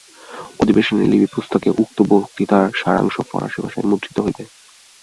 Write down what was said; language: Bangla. অধিবেশনের লিপিপুস্তকে উক্ত বক্তৃতার সারাংশ ফরাসী ভাষায় মুদ্রিত হইবে।